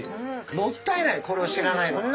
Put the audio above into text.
もったいないこれを知らないのは。